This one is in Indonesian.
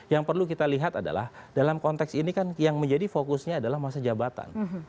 yang perlu kita lihat adalah dalam konteks ini kan yang menjadi fokusnya adalah masa jabatan